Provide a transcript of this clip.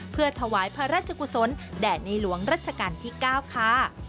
เพื่อถวายพระราชกุศลแด่ในหลวงรัชกาลที่๙ค่ะ